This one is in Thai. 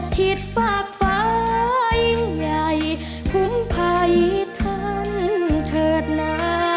ตัวอย่างใหญ่คุ้มภัยทันเถิดน้า